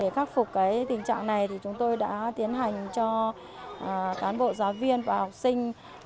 để khắc phục tình trạng này chúng tôi đã tiến hành cho cán bộ giáo viên và học sinh